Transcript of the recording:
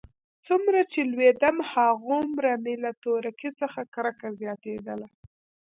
څومره چې لوېيدم هماغومره مې له تورکي څخه کرکه زياتېدله.